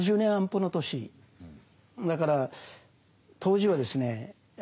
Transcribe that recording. だから当時はですね